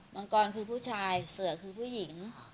มังกรคือผู้ชายเสือคือผู้หญิง